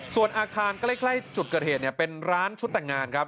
ส่วนอาคารใกล้จุดเกิดเหตุเป็นร้านชุดแต่งงานครับ